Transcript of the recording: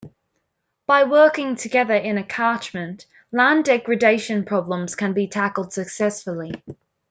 By working together in a catchment, land degradation problems can be tackled successfully.